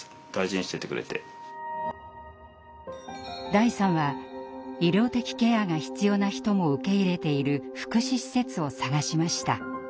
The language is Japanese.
大さんは医療的ケアが必要な人も受け入れている福祉施設を探しました。